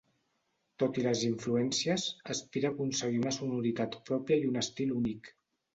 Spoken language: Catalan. Tot i les influències, aspira a aconseguir una sonoritat pròpia i un estil únic.